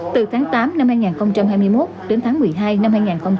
từ tháng tám năm hai nghìn hai mươi một đến tháng một mươi hai năm hai nghìn hai mươi ba